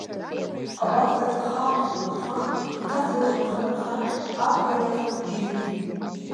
Абарҵахь дхалан хәылбыҽха, иҭаца лышҟа ихы нарха, абхәа еиҭах ибжьы иргеит…